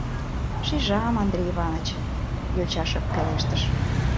— Шижам, Андрей Иваныч, — йоча шып пелештыш.